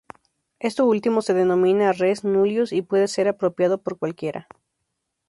Esto último se denomina "res nullius" y puede ser apropiado por cualquiera.